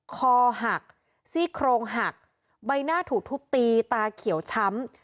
คอหักซี่โครงหักใบหน้าถูกทุบตีตาเขียวช้ำ